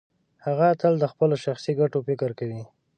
هغه تل د خپلو شخصي ګټو فکر کوي.